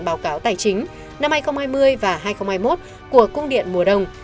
báo cáo tài chính năm hai nghìn hai mươi và hai nghìn hai mươi một của cung điện mùa đông